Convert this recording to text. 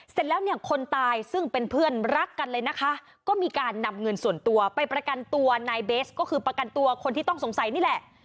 เสร็จแล้วเนี่ยคนตายซึ่งเป็นเพื่อนรักกันเลยนะคะก็มีการนำเงินส่วนตัวไปประกันตัวนายเบสก็คือประกันตัวคนที่ต้องสงสัยนี่แหละ